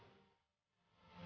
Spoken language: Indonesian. minta sama allah